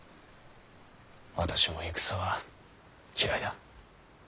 私も戦は嫌いだ。